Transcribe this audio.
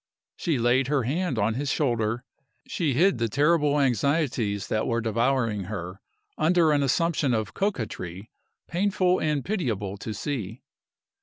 She laid her hand on his shoulder; she hid the terrible anxieties that were devouring her under an assumption of coquetry painful and pitiable to see.